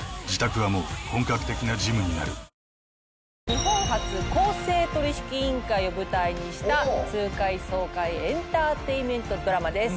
日本初公正取引委員会を舞台にした痛快爽快エンターテインメントドラマです。